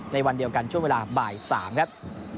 ในวันเดียวกันช่วงเวลาบ่าย๓ครับ